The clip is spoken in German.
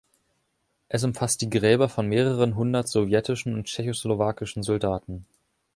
Es umfasst die Gräber von mehreren hundert sowjetischen und tschechoslowakischen Soldaten.